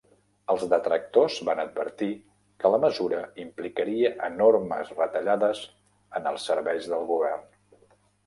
Els detractors van advertir que la mesura implicaria enormes retallades en els serveis del govern.